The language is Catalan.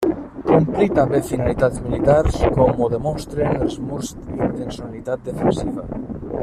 Complí també finalitats militars com ho demostren els murs d'intencionalitat defensiva.